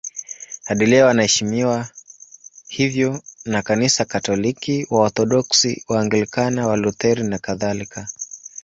Hadi leo anaheshimiwa hivyo na Kanisa Katoliki, Waorthodoksi, Waanglikana, Walutheri nakadhalika.